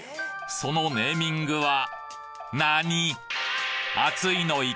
そのネーミングはなに！？